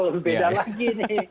beda lagi nih